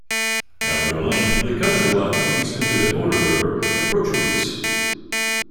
After a length of the Kaczawa empties into the Oder river at Prochowice.